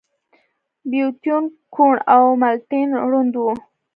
بيتووين کوڼ و او ملټن ړوند و.